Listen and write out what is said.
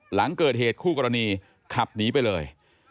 หลังเกิดเหตุคู่กรณีขับหนีไปเลย